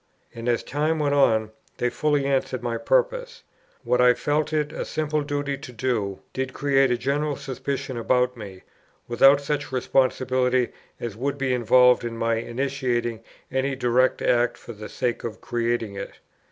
And, as time went on, they fully answered my purpose. What I felt it a simple duty to do, did create a general suspicion about me, without such responsibility as would be involved in my initiating any direct act for the sake of creating it.